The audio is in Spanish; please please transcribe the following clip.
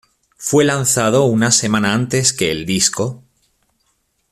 Fue lanzado una semana antes que el disco.